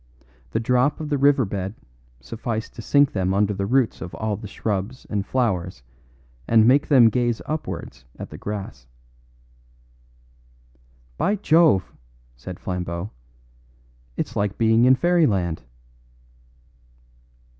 The drop of the river bed sufficed to sink them under the roots of all shrubs and flowers and make them gaze upwards at the grass. "By Jove!" said Flambeau, "it's like being in fairyland."